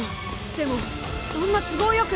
でもそんな都合よく。